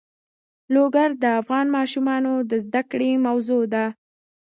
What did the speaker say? لوگر د افغان ماشومانو د زده کړې موضوع ده.